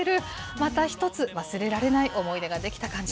また一つ、忘れられない思い出が出来た感じ。